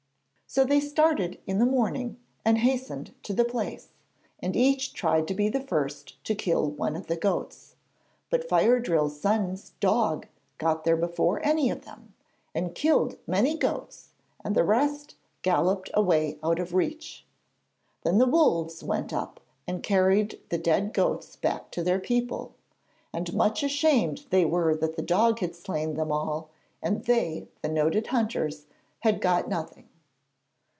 So they started in the morning and hastened to the place, and each tried to be the first to kill one of the goats. But Fire drill's son's dog got there before any of them, and killed many goats and the rest galloped away out of reach. Then the Wolves went up and carried the dead goats back to their people, and much ashamed they were that the dog had slain them all and they, the noted hunters, had got nothing.